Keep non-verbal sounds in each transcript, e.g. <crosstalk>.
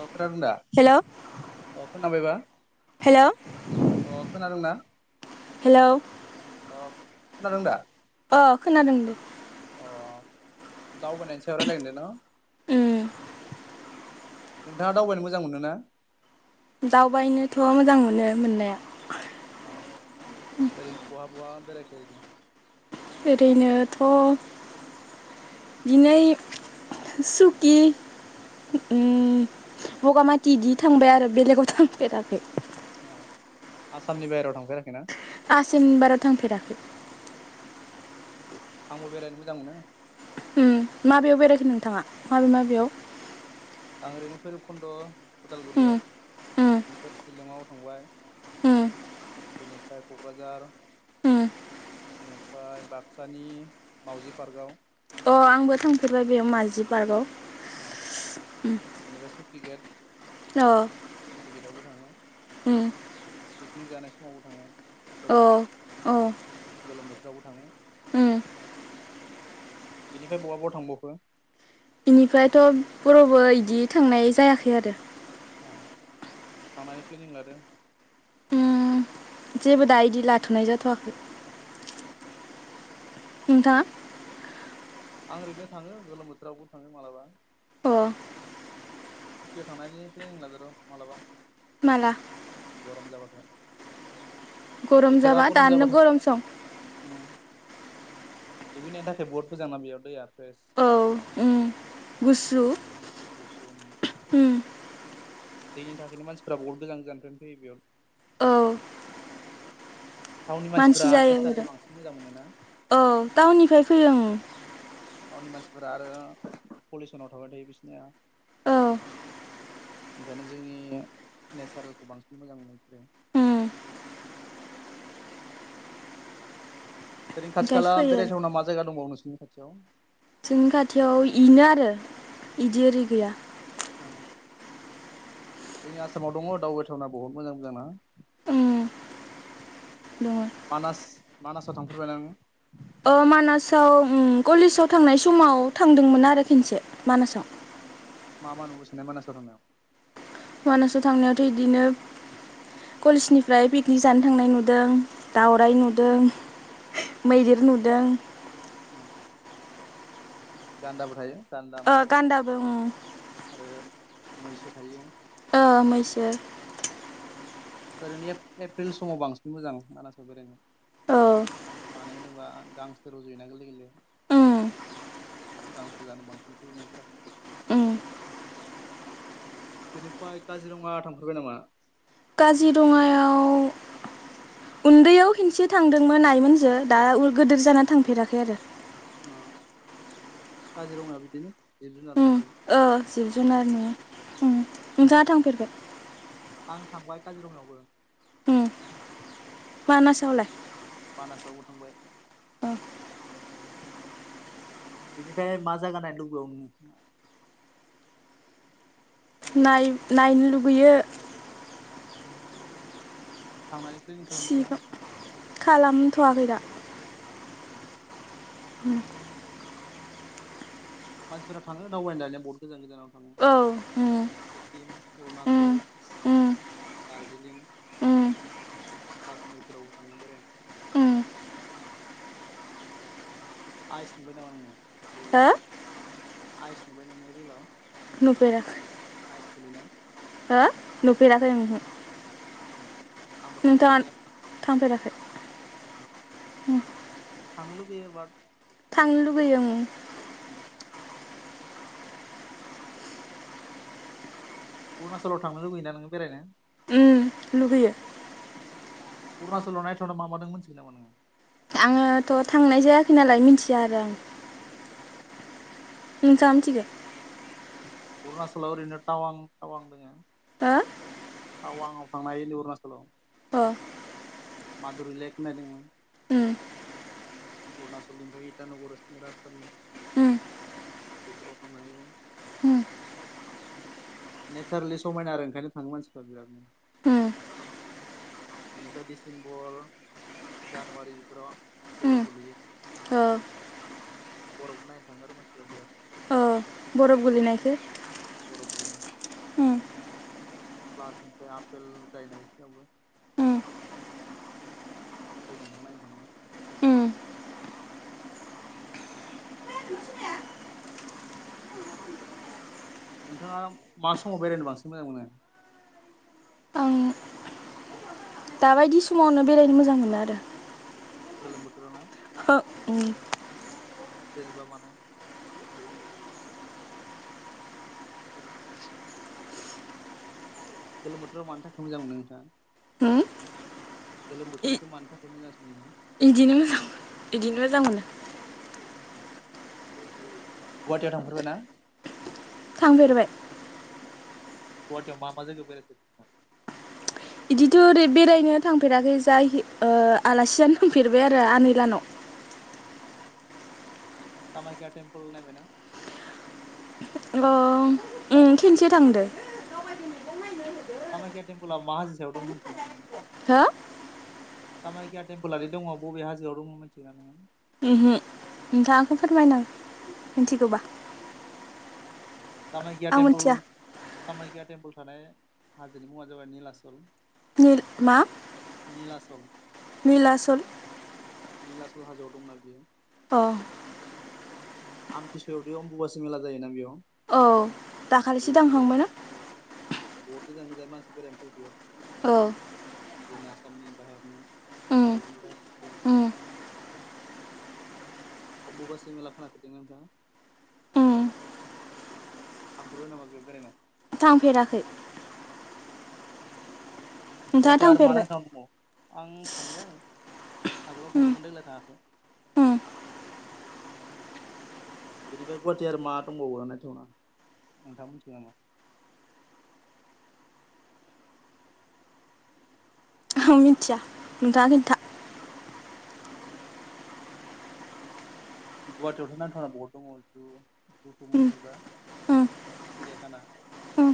अ खोनादों दा हेल' अ खोनाबाय बा हेल' अ खोनादों ना हेलौ खोनादों दा? अ खोनादों दे। अ दावबावनाय सायाव रायलायगोन दे न'। ओम। नोंथाङा दावबायनो मोजां मोनो ना? दावबायनोथ' मोजां मोनो मोननाया। अ ओरैनो बहा बहा बेरायखो ओरैनो ओरैनोथ' बिनै सुकि उम बगामाति इदि थांबाय आरो बेलेगाव थांफेराखै। आ आसामनि बाहेराव थांफेराखै ना? आसामनि बारा थांफेराखै। आंबो बेरायनो मोजां मोनो। उम माबेयाव बेरायखो नोंथाङा माबे माबेयाव? आं ओरैनो भैरबखुन्द' उम उदालगुरियाव। उम बेनिफ्राय सिलंआव थांबाय उम बेनिफ्राय क'क्राझार उम बेनिफ्राय बाक्सानि मावजि पार्कआव अ आंबो थांफेरबाय बेयाव मावजि पार्कआव अ इनिफाय सुकि गेट अ सुकि गेटआवबो थांङो उम पिकनिक जानाय समावबो थांङो। औ औ। गोलोम बोथोरावबो थांङो। बिनिफाय बहा बहा थांब'खो? बेनिफ्रायथ' बोरावबो इदि थांनाय जायाखै आरो आ थांनायनि प्लेनिं लादो उम जेबो दा इदि लाथ'नाय जाथ'वाखै। ओं। नोंथांङा आं ओरैनो थाङो गोलोम बोथोरावबो थाङो मालाबा। अ सुकियाव थांनायनि प्लेनिं लादो र' मालाबा। माला? गरम जाबाथाय। गरम जाबा दानो गरम सं। उम दुगैनायनि थाखाय बहुद मोजां ना बेयाव दैया फ्रेस। औ उम गुसु मोजां गुसुम ओम। दैनि थाखायनो मानसिफोरा बहुत गोजान गोजाननिफ्रायनो औ फैयो बेयाव। टाउननि मानसिफोरा मानसि जायो नेचारेल <unintelligible> बांसिन मोजां मोनोना औ टाउननिफ्राय फैयो ओं। टाउननि मानसिफोरा आरो पलुसनाव थाबाय थायो बिसिनिया। औ ओंखायनो जोंनि नेचारेलखो बांसिन मोजां मोनो बिसोरो। <inaudible> उम ओरैनो खाथि ओमफ्राय खाला फैयो बेरायथावना मा जायगा दंबावो नोंसोरनि खाथियाव? जोंनि खाथियाव इनो आरो इदि ओरै गैया। अ। जोंनि आसामाव दंङ' दावबायथावना बहुद मोजां मोजां ना। उम दङ मानास मानासाव थांफेबाय नों? अ मानासाव उम कलेजाव थांनाय समाव थांदोंमोन आरो खोनसे मानासाव। मा मा नुबोसोनाय मानासाव थांनायाव मानासाव थांनायावथ' इदिनो कलेजनिफ्राय पिकनिक जानो थांनाय नुदों दावराय नुदों मैदेर नुदों गान्दाबो थायो गान्दा अ मै गान्दाबो उम आरो मैसो थायो ओ मैसो ओरैनो एप्रिल समाव बांसिन मोजां मानासाव बेरायनो। औ मानो होनोबा गांसो रज'योना गोरलै गोरलै उम गांसो जानो बांसि फैयो मैफोरा उम बेनिफ्राय काजिरङा थांफेरबाय नामा? काजिरङायाव उन्दैयाव खेनसे थांदोंमोन आइमोनजो दा गोदोर जाना थांफेराखै आरो अ काजिरङा बिदिनो जिब जुनारनि उम थाखाय ओ जिब नायथाव जुनारनि उम, नोंथाङा थांफेरबाय? आं थांबाय काजिरङायावबो। उम मानासावलाय? मानासावबो थांबाय। अ बेनिफ्राय मा जागा नायनो लुबैबावो नोंङो? नाय नायनो लुबैयो थांनायनि प्लेनिं खालामदोबा? सिगां खालामथ'वाखै दा औ उम मानसिफोरा थाङो दावबायनो दानिया बहुत गोजान गोजानाव थाङो। औ उम सिक्किम, उम अरुनाचल, उम दार्जिलिं उम काश्मिरफोरावबो थांनो बेरायनो उम आइस नुबाय नामा नोङो हो रियेलाव? आइस नुबाय नोङो रियेलाव? नुफेराखै <unintelligible> हो नुफेराखै उमहो नुबाय। आंबो नोंथाङा थांफेराखै? उमहो उम थांनो लुबैयो बात थांनो लुगैयो उम अरुणाचलाव थांनो लुबैयोना नोङो बेरायनो? उम लुगैयो अरुणाचलाव नायथावना मा मा दों मोनथिगोन नामा नोङो? आंथ' थांनाय जायाखै नालाय मिथिया आरो आं। ओ नोंथाङा जामिथिगो? अरनासलाव एरैनो थावां थावां दोङो। हो थावांआव‌ थांनो हायो अरनाचलाव अ माधुरि लेक होननाय दोङो उम अरुनाचल ओमफ्राय इतानगर राजथावनि उम बेफोराव थांनानै उम नेचारेलि समायना आरो ओंखायनो थाङो मानसिफ्रा बिरादनो उम बेनिफ्राय डिसेम्बर, जानुवारि बेफोराव बरफ गोलैयो औ बरफखो नायनो थाङो आरो मानसिफोरा बिराद अ बरफ गोलैनायखो बरफ गोलैनाय उम उम <unintelligible> आफेल दफां नायनो उम नोंथाङा मा समाव बेरायनो बांसिन मोजां मोनो आं दाबायदि समावनो बेरायनो मोजां मोनो आरो गोलोम बोथोरावना। हो उम। जेनेबा माने गोलोम बोथोराव मानि थाखाय मोजां मोनो नोंथाङा उम गोलोम बोथोरखौ मानो थाखाय मोजांसिन मोनो बिदिनो मोजां बिदिनो मोजां मोनो। गुवाहाटियाव थांफेरबायना थांफेरबाय गुवाहाटियाव मा मा जायगायाव बेरायखो नोंथां? बिदिथ' ओरै बेरायनो थांफेराखै जाय आलासि जानो थांफेरबाय आरो आनैलानाव अ कामायख्या टेम्पोल नायबायना अ ओम खेनसे थांदो खामायखा टेम्पोला मा हाजो सायाव दंमोन हो कामायख्या टेम्पोला जे दङ बबे हाजोआव दङ मिथिगौना नोङो उम हो नोंथाङा आंखौ फोरमायदो मिथिगौबा कामायख्या आं टेम्पोल मिथिया कामाख्या टेम्पोल थानाय हाजोनि मुङा जाबाय निलाचल निल मा नीलाचल निलासल निलासल हाजोआव दंना बियो। अ आमथि सुवायावदि अम्बु बासि मेला जायोना बेयाव। औ दाखालिसो थांखांबायना बहुत गोजान गोजाननि मानसि बेरायनो फैयो बेयाव औ जोंनि आसामनि बाहेरनि उम भारतनि बाहेर उम अमबुबासि मेला खोना फेरदोंना नोंथांआ? उम थांफेरबाय नामा बेयाव बेरायनो थांफेराखै नोंथाङा गुवाहाटीयाव आरो मा थांफेरबाय नाथावना जायगा दबावों आं थांबाय आगोलाव उम थांदोंमोन देग्लाय थाङाखै उम बेनिफ्राय गुवाहाटि आरो मा दंबावो नायथावना नोंथाङा मोनथिगौ नामा <inaudible> आं मिथिया नोंथाङा खिन्था गुवाहाटियावथ' नायथावना बहुद दङ जु जुखौ उम मिथियोबा उम सिरिया खाना। उम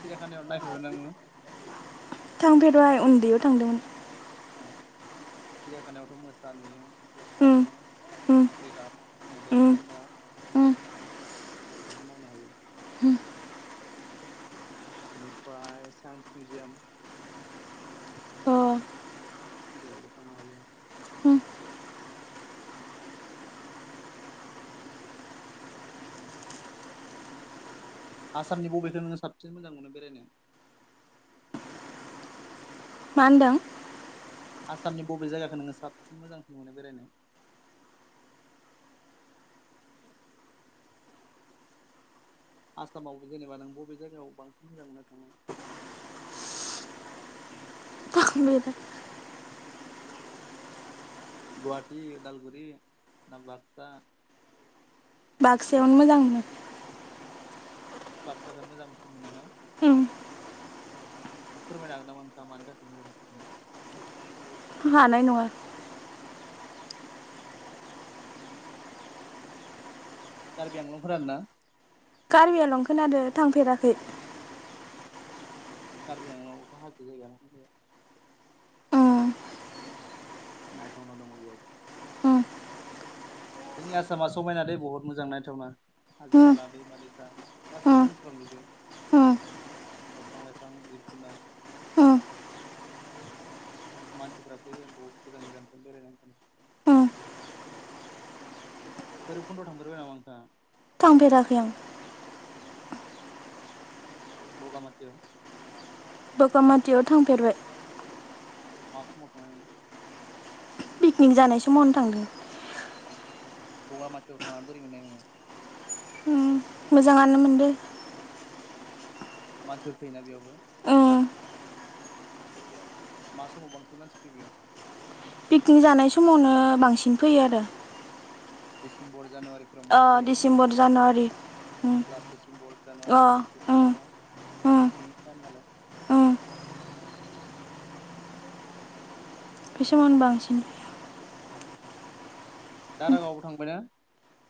सिरियाखानायाव नायफैबायना नोङो। गोदोहाय उन्दैयाव थांदोंमोन सिरिया खानायावथ' मोसा नुयो लफ्रा उम नुयो। उम जिराफ, मैदेर, उम गान्दा। उम बेफोरखौ नायनो हायो। बेनिफ्राय साइन्स मिउजियाम अ बेयावबो थांनो हायो उम आसामनि बबेखौ नोङो साबसिन मोजां मोनो बेरायनो? मा होनदों? आसामनि बबे जायगाखौ नोङो साबसिन मोजांसिन मोनो बेरायनो? आसामाव जेनेबा नों बबे जायगायाव बांसिन मोजां मोननो थांनो? <inaudible> गुवाहाटि उदालगुरुरि ना बक्सा? बाक्सायावनो मोजां मोनो। बाक्साखौनो मोजां मोनसि मोन ना? उम फोरमायनो हागोन नामा नोथां मानि थाखाय मोजां मोनो। हानाय नङा गारबि आंलंफोर आरो ना। कार्बि आल' खोनादो थांफेराखै कार्बि आंनावथ' हाजो जायगा उम नायथावना दङ बेयाव उम जोंनि आसामा समायना दै बहुत मोजां नायथावना हाजो उम हाला दै मादै <inaudible> उम दफां उम लाइफां जिब जुनार उम मानसिफ्रा फैयो बहुद गोजान गोजानखौ बेरायनांगोन उम बे बैरबखन्द थांफेरबाय नामा नोंथाङा थांफेरेराखै आं बगामाथियाव बगखमाथियाव थांफेरबाय। <inaudible> पिकनिक जानाय समावनो थांदों। <inaudible> उम मोजाङानो मोनदों मानसिफोर फैयोना बेयाव उम मा समाव बांसिन मानसि फैयो बेयाव? पिकनिक जानाय समावनो बांसिन फैयो आरो। <inaudible> अ बांसिन जायोना डिसेम्बर जानुवारि। उम लास्ट डिसेम्बर अ जानुवारि बे उम उम समावनो <inaudible> उम बे समावनो बांसिन। दारागावबो थांबाय ना?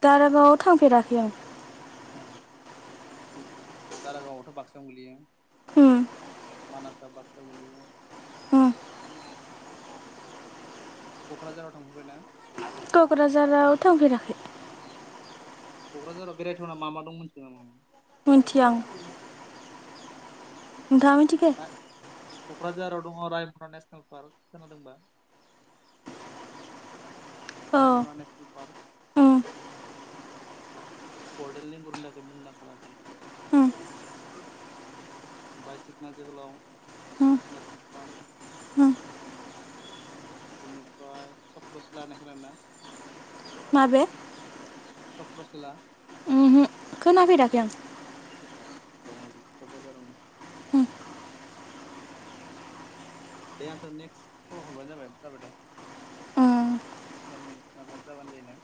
दारागावाव थांफेराखै आं। औ। उम <inaudible> उम <inaudible> क'क्राझाराव थांफेरबाय ना? क'क्राझाराव थांफेराखै। क'क्राझाराव बेरायथावना मा मा दं मोनथिगौ नामा? मिथिया। नोंथाङा मिथिखायो नों नामा? क'क्राझाराव दङ रायमना नेसनेल पार्क खोनादोंबा? औ रायमना नेसनेल पार्क। उम उम <inaudible> बाय सिखना जोहोलाव उम नेसनेल पार्क। उम बिनिफ्राय चक्र सिला होननाय खोनादोंना। माबे। चक्रशला खोनाफैेराखै आं अ दङ बि क'क्राझारावनो उम दे आंथ' नेक्स्ट खल हरबानो जाबाय जाबाय दे उम तेन मिनिट नाब जाबानो ज न